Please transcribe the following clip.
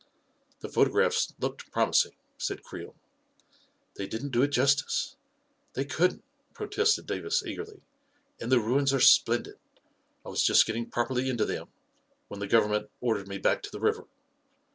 " The photographs looked promising," said Creel. " They didn't do it justice — they couldn't," pro tested Davis, eagerly. " And the ruins are splen did. I was just getting properly into them, when the government ordered me back to the river.